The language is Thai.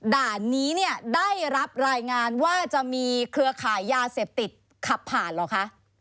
ด่านนี้เนี่ยได้รับรายงานว่าจะมีเครือข่ายยาเสพติดขับผ่านเหรอคะ